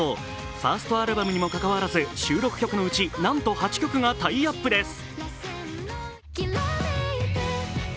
ファーストアルバムにもかかわらず収録曲のうちなんと８曲がタイアップです。